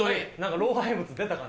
老廃物出た感じ。